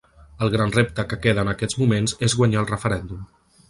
El gran repte que queda en aquests moments és guanyar el referèndum.